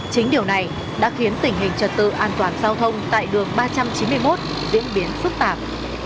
chính điều này đã khiến tình hình trật tự an toàn giao thông tại đường ba trăm chín mươi một diễn biến phức tạp